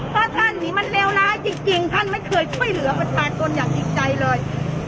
ถ้าท่านหนีมันเลวร้ายจริงท่านไม่เคยช่วยเหลือประชาชนอย่างจริงใจเลย